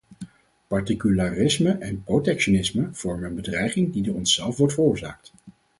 Particularisme en protectionisme vormen een bedreiging die door onszelf wordt veroorzaakt.